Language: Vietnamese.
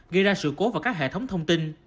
gây ra sự cố vào các hệ thống thông tin